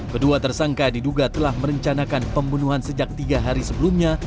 kedua tersangka diduga telah merencanakan pembunuhan sejak tiga hari sebelumnya